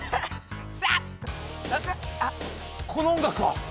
この音楽は。